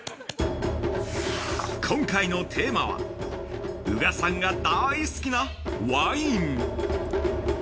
今回のテーマは宇賀さんが大好きなワイン！